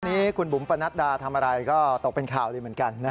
วันนี้คุณบุ๋มปนัดดาทำอะไรก็ตกเป็นข่าวดีเหมือนกัน